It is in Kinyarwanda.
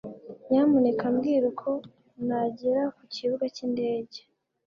nyamuneka mbwira uko nagera ku kibuga cy'indege